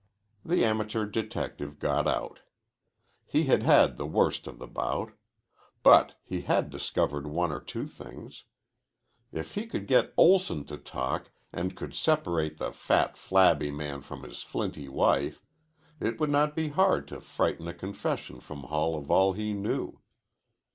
The amateur detective got out. He had had the worst of the bout. But he had discovered one or two things. If he could get Olson to talk, and could separate the fat, flabby man from his flinty wife, it would not be hard to frighten a confession from Hull of all he knew.